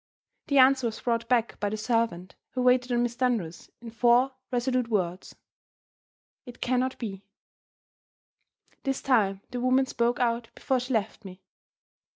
The answer was brought back by the servant who waited on Miss Dunross, in four resolute words: "It can not be." This time the woman spoke out before she left me.